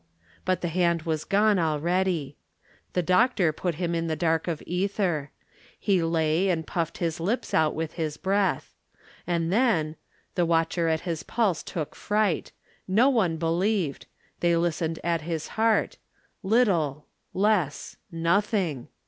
But the hand was gone already. The doctor put him in the dark of ether. He lay and puffed his lips out with his breath. And then the watcher at his pulse took fright. No one believed. They listened at his heart. Little less nothing!